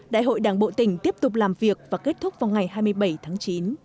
đại hội đảng bộ tỉnh tiếp tục làm việc và kết thúc vào ngày hai mươi bảy tháng chín